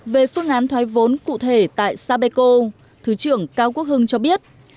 về phương án thoái vốn cụ thể tại sapeco thứ trưởng cao quốc hưng cho biết